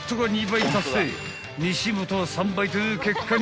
［西本は３倍という結果に］